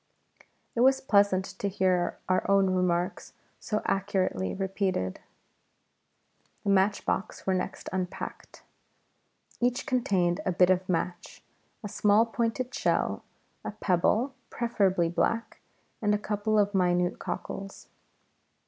It was pleasant to hear our own remarks so accurately repeated. The matchboxes were next unpacked; each contained a bit of match, a small pointed shell, a pebble (preferably black), and a couple of minute cockles.